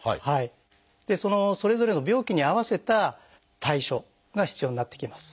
それぞれの病期に合わせた対処が必要になってきます。